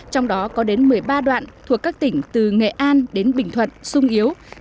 trong đó có đến một mươi ba đoạn thuộc các tỉnh từ nghệ an đến bình thuận sung yếu